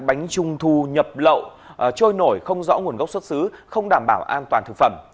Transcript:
bánh trung thu nhập lậu trôi nổi không rõ nguồn gốc xuất xứ không đảm bảo an toàn thực phẩm